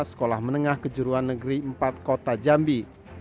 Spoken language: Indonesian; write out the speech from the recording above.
sekolah menengah kejuruan negeri empat kota jambi